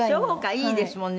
いいですもんね